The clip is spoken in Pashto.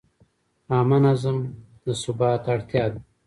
عامه نظم د ثبات اړتیا ده.